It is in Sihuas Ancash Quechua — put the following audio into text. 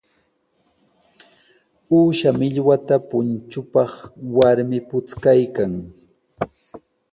Uusha millwata punchupaq warmi puchkaykan.